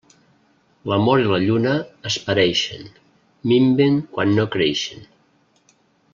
L'amor i la lluna es pareixen, minven quan no creixen.